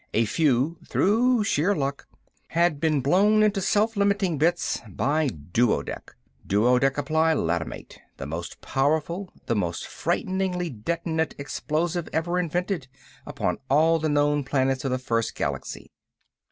A few, through sheer luck, had been blown into self limiting bits by duodec. Duodecaplylatomate, the most powerful, the most frightfully detonant explosive ever invented upon all the known planets of the First Galaxy.